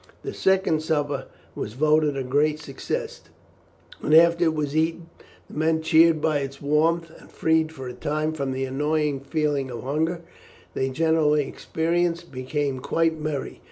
The second supper was voted a great success, and after it was eaten, the men, cheered by its warmth, and freed for a time from the annoying feeling of hunger they generally experienced, became quite merry.